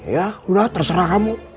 ya udah terserah kamu